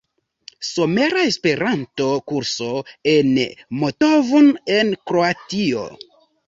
Somera Esperanto-Kurso en Motovun en Kroatio.